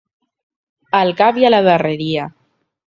Al cap i a la darreria.